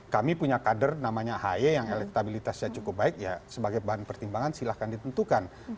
kami punya kader namanya ahy yang elektabilitasnya cukup baik ya sebagai bahan pertimbangan silahkan ditentukan